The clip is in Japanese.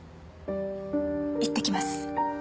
行ってきます。